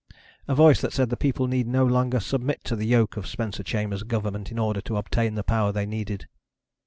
A voice that said the people need no longer submit to the yoke of Spencer Chambers' government in order to obtain the power they needed.